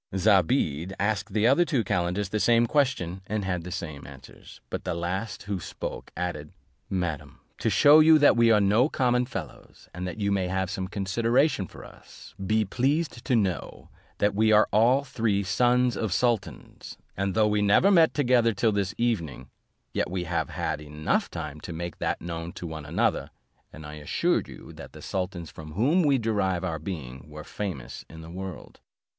Zobeide asked the other two calenders the same question, and had the same answers; but the last who spoke added, "Madam, to shew you that we are no common fellows, and that you may have some consideration for us, be pleased to know, that we are all three sons of sultans; and though we never met together till this evening, yet we have had time enough to make that known to one another; and I assure you that the sultans from whom we derive our being were famous in the world."